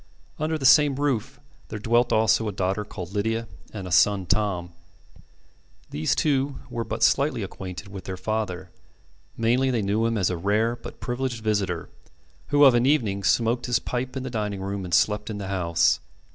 Under the same roof there dwelt also a daughter called Lydia and a son, Tom. These two were but slightly acquainted with their father. Mainly, they knew him as a rare but privileged visitor, who of an evening smoked his pipe in the dining room and slept in the house.